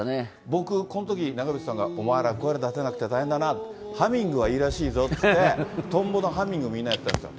僕、このとき、長渕さんがお前ら、声出せなくて大変だな、ハミングはいいらしいぞって言って、とんぼのハミングみんなでやったんですよ。